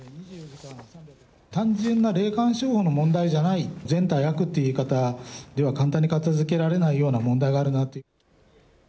単純な霊感商法の問題じゃない、善対悪という考え方では簡単に片づけられないような問題があるなと。